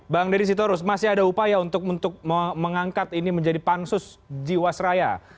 bang dedy sitorus masih ada upaya untuk mengangkat ini menjadi pansus jiwasraya